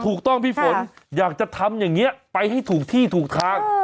พี่ฝนอยากจะทำอย่างนี้ไปให้ถูกที่ถูกทาง